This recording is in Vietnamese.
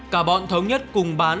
cả bọn thống nhất cùng bán